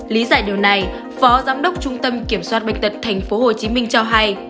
lý giải điều này phó giám đốc trung tâm kiểm soát bệnh tật tp hcm cho hay